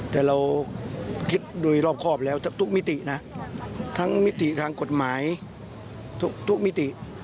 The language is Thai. แต่เราคิดโดยรอบครอบแล้วทุกมิตินะทั้งมิติทางกฎหมายทุกมิติ